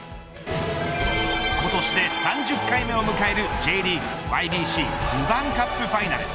今年で３０回目を迎えるＪリーグＹＢＣルヴァンカップファイナル。